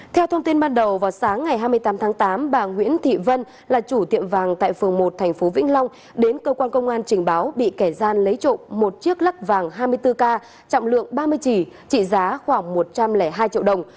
theo thông tin ban đầu vào sáng ngày hai mươi tám tháng tám bà nguyễn thị vân là chủ tiệm vàng tại phường một tp vĩnh long đến cơ quan công an trình báo bị kẻ gian lấy trộm một chiếc lắc vàng hai mươi bốn k trọng lượng ba mươi chỉ trị giá khoảng một trăm linh hai triệu đồng